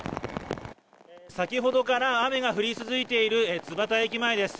先ほどから雨が降り続いている津幡駅前です。